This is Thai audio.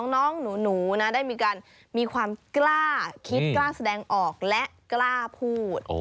น้องหนูนะได้มีการมีความกล้าคิดกล้าแสดงออกและกล้าพูด